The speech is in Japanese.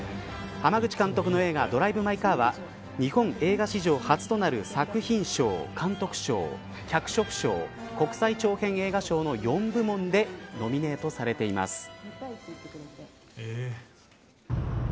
濱口監督の映画ドライブ・マイ・カーは日本映画史上初となる作品賞、監督賞脚色賞、国際長編映画賞の４部門でノミネートされています。